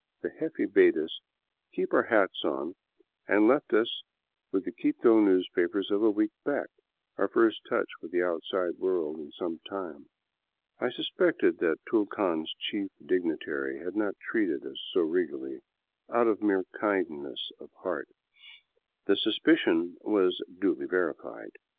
The jefe bade us keep our hats on, and left us with the Quito newspapers of a week back, our first touch with the outside world in some time. I suspected that Tulcan's chief dignitary had not treated us so regally out of mere kindness of heart; and the suspicion was duly verified.